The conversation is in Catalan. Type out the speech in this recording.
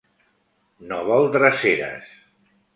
No vol dreceres.